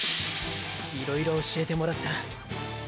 いろいろ教えてもらった。